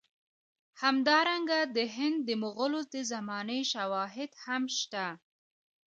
همدارنګه د هند د مغولو د زمانې شواهد هم شته.